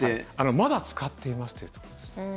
まだ使っていますというところです。